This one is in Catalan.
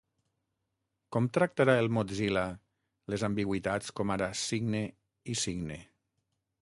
Com tractarà el Mozilla les ambigüitats com ara cigne i signe?